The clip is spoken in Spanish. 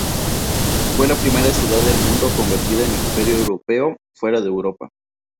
Fue la única ciudad del mundo convertida en imperio europeo fuera de Europa.